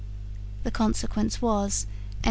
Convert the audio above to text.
The consequence was, M.